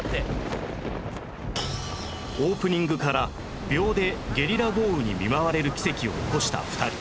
オープニングから秒でゲリラ豪雨に見舞われる奇跡を起こした２人